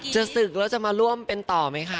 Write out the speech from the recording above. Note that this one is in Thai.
จะศึกแล้วจะมาร่วมเป็นต่อไหมคะ